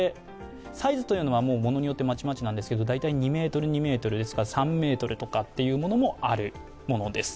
サイズはものによってまちまちなんですけれども大体２ｍ２ｍですから３ｍとかっていうものもあるものです。